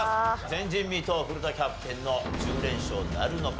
前人未到古田キャプテンの１０連勝なるのか？